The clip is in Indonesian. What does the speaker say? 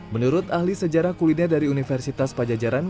menurut ahli sejarah kuliner dari universitas pajajaran